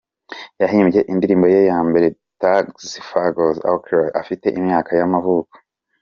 Yahimbye indirimbo ye ya mbere Tus gafas oscuras, afite imyaka y’amavuko.